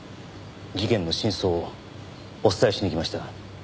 事件の真相をお伝えしに来ました。